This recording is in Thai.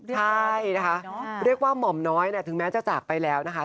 ใช่นะคะเรียกว่าหม่อมน้อยถึงแม้จะจากไปแล้วนะคะ